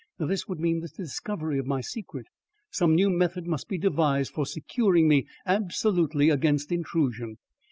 This would mean the discovery of my secret. Some new method must be devised for securing me absolutely against intrusion.